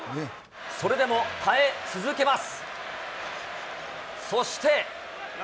それでも耐え続けます。